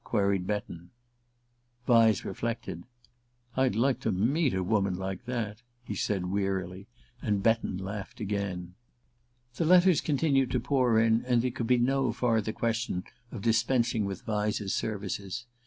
queried Betton. Vyse reflected. "I'd like to meet a woman like that," he said wearily; and Betton laughed again. The letters continued to pour in, and there could be no farther question of dispensing with Vyse's services.